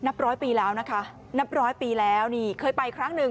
นับร้อยปีแล้วนะคะนับร้อยปีแล้วนี่เคยไปครั้งหนึ่ง